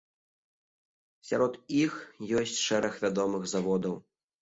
Сярод іх ёсць шэраг вядомых заводаў.